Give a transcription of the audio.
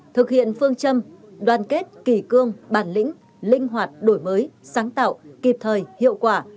thực hiện phương châm đoàn kết kỷ cương bản lĩnh linh hoạt đổi mới sáng tạo kịp thời hiệu quả